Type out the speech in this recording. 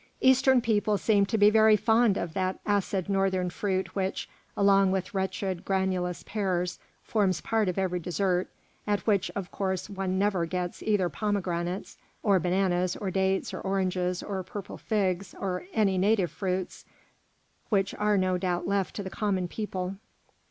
Eastern people seem to be very fond of that acid Northern fruit which, along with wretched, granulous pears, forms part of every dessert, at which of course one never gets either pomegranates, or bananas, or dates, or oranges, or purple figs, or any native fruits, which are no doubt left to the common people.